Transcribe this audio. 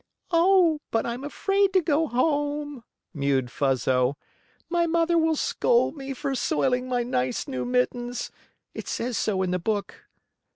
"Oh, but I'm afraid to go home," mewed Fuzzo. "My mother will scold me for soiling my nice, new mittens. It says so in the book."